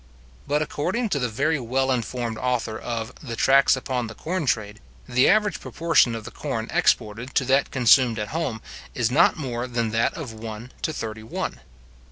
But according to the very well informed author of the Tracts upon the Corn Trade, the average proportion of the corn exported to that consumed at home, is not more than that of one to thirty one.